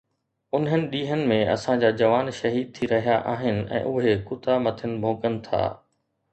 انهن ڏينهن ۾ اسان جا جوان شهيد ٿي رهيا آهن ۽ اهي ڪتا مٿن ڀونڪن ٿا